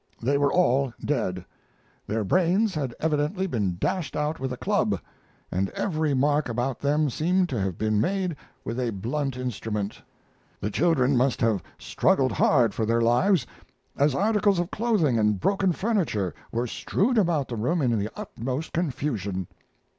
They were all dead. Their brains had evidently been dashed out with a club, and every mark about them seemed to have been made with a blunt instrument. The children must have struggled hard for their lives, as articles of clothing and broken furniture were strewn about the room in the utmost confusion.